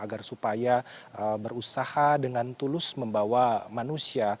agar supaya berusaha dengan tulus membawa manusia